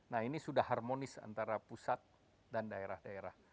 nah ini sudah harmonis antara pusat dan daerah daerah